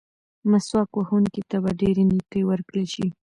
مسواک وهونکي ته به ډېرې نیکۍ ورکړل شي.